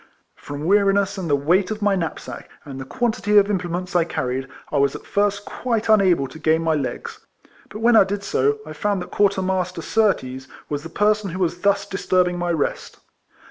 From wx'ariness, and the weight of my knapsack, and the quantity of implements I carried, I was at first quite unable to gain my legs ; but when I did so, I found that Quarter master Surtees was the person who was thus disturbing my rest.